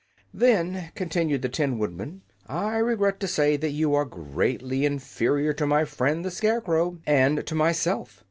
"Then," continued the Tin Woodman, "I regret to say that you are greatly inferior to my friend the Scarecrow, and to myself.